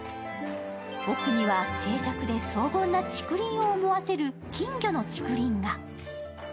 奥には静寂で荘厳な竹林を思わせる金魚の竹林が。